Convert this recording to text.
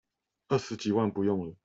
二十幾萬不用了